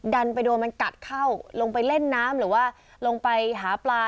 ดันไปโดนมันกัดเข้าลงไปเล่นน้ำหรือว่าลงไปหาปลา